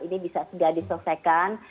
ini bisa sudah diselesaikan